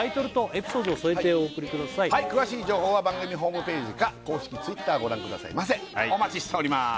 はい詳しい情報は番組ホームページか公式Ｔｗｉｔｔｅｒご覧くださいませお待ちしております